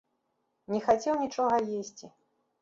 Не хацеў нічога есці.